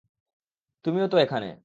তুমিও তো এখানে।